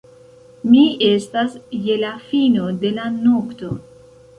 Mi estas je la fino de la nokto.